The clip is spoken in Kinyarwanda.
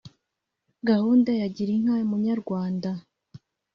Gahunda ya Girinka Munyarwanda